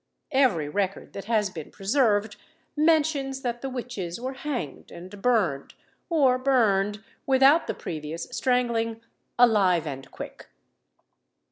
Every record that has been preserved mentions that the witches were hanged and burned, or burned, without the previous strangling, "alive and quick."